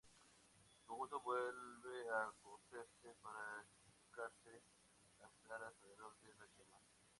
El conjunto vuelve a cocerse para endurecer las claras alrededor de las yemas.